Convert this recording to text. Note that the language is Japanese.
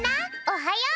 おはよう！